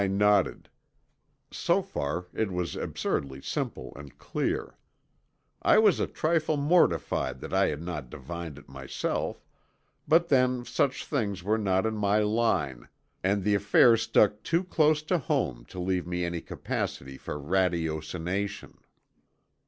I nodded. So far it was absurdly simple and clear. I was a trifle mortified that I had not divined it myself, but then such things were not in my line and the affair stuck too close to home to leave me any capacity for ratiocination.